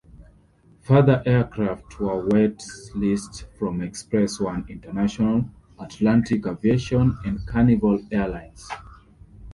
Further aircraft were wet-leased from Express One International, Atlantic Aviation and Carnival Air Lines.